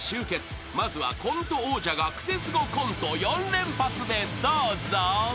［まずはコント王者がクセスゴコント４連発でどうぞ］